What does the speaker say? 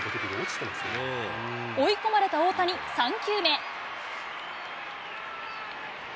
追い込まれた大谷、３球目。